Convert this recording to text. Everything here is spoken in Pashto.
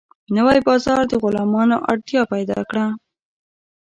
نوی بازار د غلامانو اړتیا پیدا کړه.